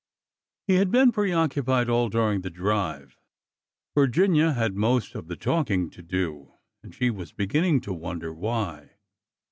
He had been preoccupied all during the drive. Vir ginia had most of the talking to do, and she was begin ning to wonder why.